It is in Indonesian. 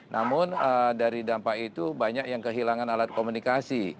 namun dari dampak itu banyak yang kehilangan alat komunikasi